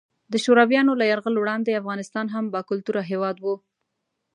د شورویانو له یرغل وړاندې افغانستان هم باکلتوره هیواد وو.